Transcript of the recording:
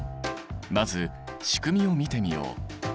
まず仕組みを見てみよう。